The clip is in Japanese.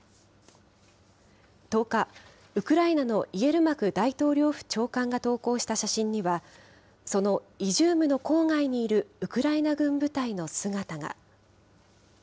１０日、ウクライナのイエルマク大統領府長官が投稿した写真には、そのイジュームの郊外にいるウクライナ軍部隊の姿が。